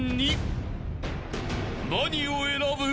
［何を選ぶ？］